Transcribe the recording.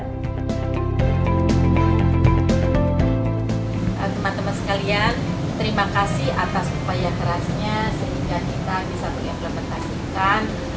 teman teman sekalian terima kasih atas upaya kerasnya sehingga kita bisa mengimplementasikan